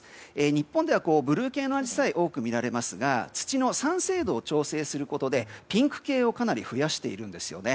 日本ではブルー系のアジサイが多く見られますが土の酸性度を調整することでピンク系をかなり増やしているんですよね。